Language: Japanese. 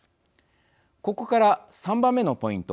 ここから３番目のポイント